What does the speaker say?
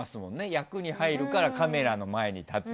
役に入るからカメラの前に立つ。